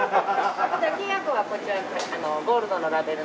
金アグーはこちらゴールドのラベルの。